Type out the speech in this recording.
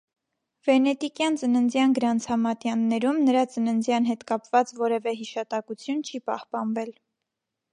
Վենետիկյան ծննդյան գրանցամատյաններում նրա ծննդյան հետ կապված որևէ հիշատակություն չի պահպանվել։